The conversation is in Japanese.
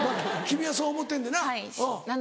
君はそう思ってんねんな。